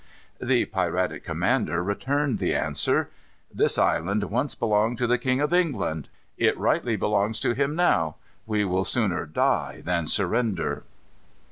The piratic commander returned the answer. "This island once belonged to the King of England. It rightly belongs to him now. We will sooner die than surrender."